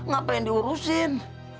gak pengen diurusin